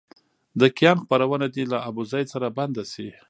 د کیان خپرونه دې له ابوزید سره بنده شي.